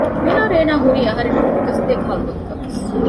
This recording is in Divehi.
މިހާރު އޭނާ ހުރީ އަހަރެންނަށް ފުރަގަސްދޭ ކަހަލަ ގޮތަކަށްވެސް